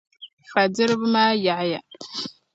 Fa'diriba maa yaɣiya.